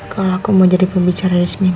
kalau aku mau jadi pembicara di seminar